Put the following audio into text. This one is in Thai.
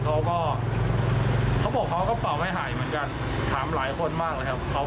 เขาบอกเขาก็เป่าไม่หายเหมือนกันถามหลายคนมากเลยครับเขา